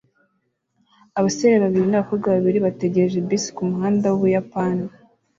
Abasore babiri n’abakobwa babiri bategereje bisi kumuhanda wUbuyapani